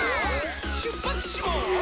しゅっぱつします！